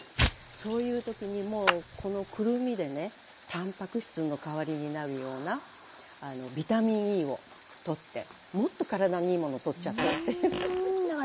そういう時にもうこのくるみでねたんぱく質の代わりになるようなあのビタミンＥをとってもっと体にいいものとっちゃったっていうウフフ。